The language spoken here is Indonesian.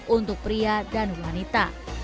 untuk pria dan wanita